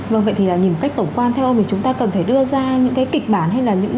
vâng vậy thì là nhìn một cách tổng quan theo ông thì chúng ta cần phải đưa ra những cái kịch bản hay là những